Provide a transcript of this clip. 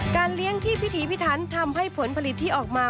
เลี้ยงที่พิถีพิถันทำให้ผลผลิตที่ออกมา